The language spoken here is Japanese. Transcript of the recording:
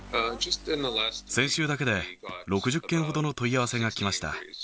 先週だけで６０件ほどの問い合わせが来ました。